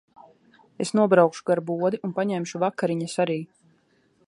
Es nobraukšu gar bodi un paņemšu vakariņas arī.